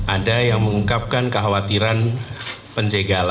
ada yang mengungkapkan kekhawatiran penjagalan